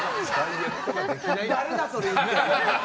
誰だ、それ言ってるの。